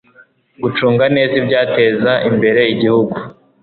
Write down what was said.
gucunga neza ibyateza imbere igihugu